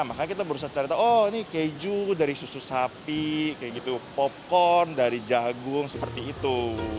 maka kita berusaha cari tahu oh ini keju dari susu sapi popcorn dari jagung seperti itu